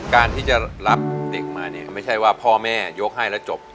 การที่จะรับเด็กมาเนี่ยไม่ใช่ว่าพ่อแม่ยกให้แล้วจบ